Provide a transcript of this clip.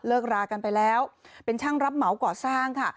รากันไปแล้วเป็นช่างรับเหมาก่อสร้างค่ะ